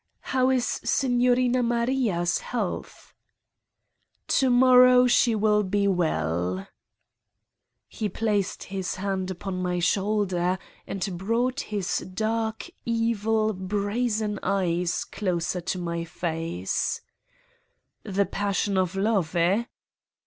"How is Signorina Maria's health?" "Tomorrow she will be well." He placed his hand upon my shoulder and brought his dark, evil, brazen eyes closer to my face :' l The passion of love, eh?"